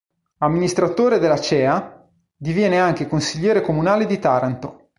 Amministratore dell'Acea, diviene anche Consigliere comunale di Taranto.